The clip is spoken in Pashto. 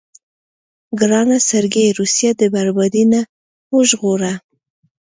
ګرانه سرګي روسيه د بربادۍ نه وژغوره.